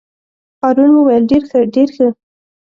هارون وویل: ډېر ښه ډېر ښه.